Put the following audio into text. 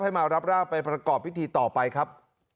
มารับร่างไปประกอบพิธีต่อไปครับ